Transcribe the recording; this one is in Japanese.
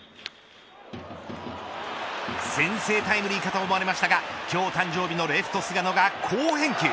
先制タイムリーかと思われましたが今日誕生日のレフト菅野が好返球。